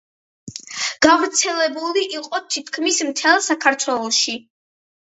გავრცელებული იყო თითქმის მთელ საქართველოში.